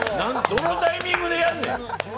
どのタイミングでやんねん！